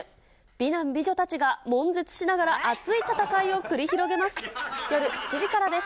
美男美女たちがもん絶しながら、熱い戦いを繰り広げます。